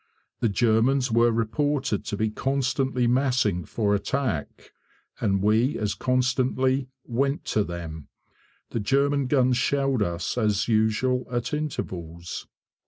The Germans were reported to be constantly massing for attack, and we as constantly "went to them". The German guns shelled us as usual at intervals.